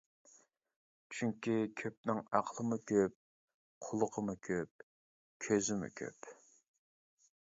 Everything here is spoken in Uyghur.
چۈنكى كۆپنىڭ ئەقلىمۇ كۆپ، قۇلىقىمۇ كۆپ، كۆزىمۇ كۆپ.